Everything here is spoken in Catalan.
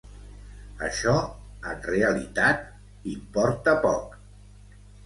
Això, en realitat, importa poc.